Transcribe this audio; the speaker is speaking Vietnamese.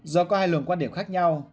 do có hai lường quan điểm khác nhau